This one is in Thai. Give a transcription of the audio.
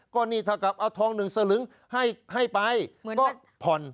ก็นี่ถ้ากับเอาทองหนึ่งสลึงให้ไปก็ผ่อน